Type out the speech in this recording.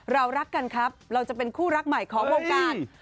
เรารักกันครับเราจะเป็นคู่รักใหม่ของวงการ